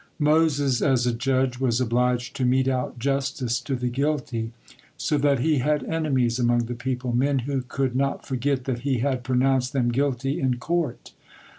Moses, as a judge, was obliged to mete out justice to the guilty, so that he had enemies among the people, men who could not forget that he had pronounced them guilty in court.